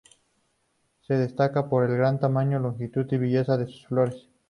Se destacan por el gran tamaño, longitud y belleza de sus flores.